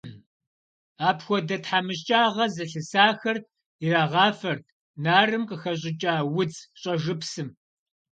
Апхуэдэ тхьэмыщкӏагъэ зылъысахэр ирагъафэрт нарым къыхэщӏыкӏа удз щӏэжыпсым.